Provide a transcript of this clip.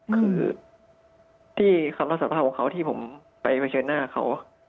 คือที่คำรับสารภาพของเขาที่ผมไปเผชิญหน้าเขา